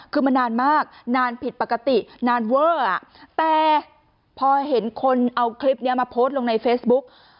คือมันนานมากนานผิดปกตินานเวอร์แต่พอเห็นคนเอาคลิปนี้มาโพสต์ลงในเฟซบุ๊ก